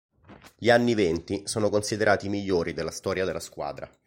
Gli anni venti sono considerati i migliori della storia della squadra.